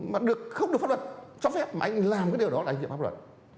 mà không được pháp luật cho phép mà anh làm cái điều đó là anh hiệp pháp luật